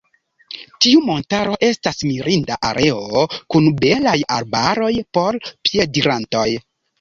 Tiu montaro estas mirinda areo kun belaj arbaroj por piedirantoj.